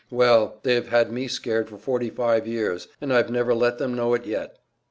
"Well, they've had me scared for forty five years, but I've never let them know it yet."